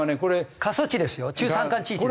過疎地ですよ中山間地域ですよ。